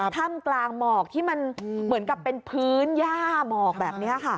ถ้ำกลางหมอกที่มันเหมือนกับเป็นพื้นย่าหมอกแบบนี้ค่ะ